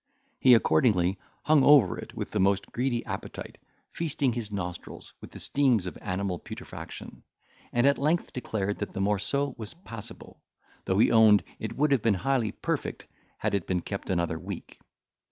He accordingly hung over it with the most greedy appetite, feasting his nostrils with the steams of animal putrefaction; and at length declared that the morceau was passable, though he owned it would have been highly perfect, had it been kept another week.